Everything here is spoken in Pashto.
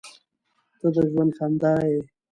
• ته د ژوند خندا یې.